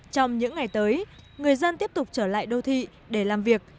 trong những ngày tới người dân tiếp tục trở lại đô thị để làm việc